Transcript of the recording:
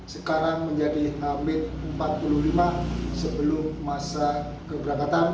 sekarang menjadi h empat puluh lima sebelum masa keberangkatan